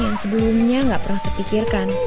yang sebelumnya nggak pernah terpikirkan